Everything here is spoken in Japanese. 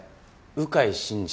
鵜飼慎司。